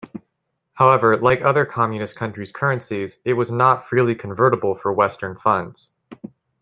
However, like other Communist countries' currencies, it was not freely convertible for Western funds.